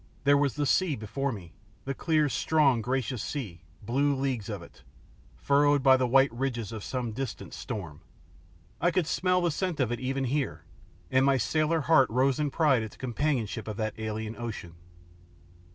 There was the sea before me, the clear, strong, gracious sea, blue leagues of it, furrowed by the white ridges of some distant storm. I could smell the scent of it even here, and my sailor heart rose in pride at the companionship of that alien ocean.